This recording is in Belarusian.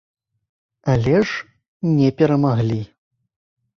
Але ж не перамаглі.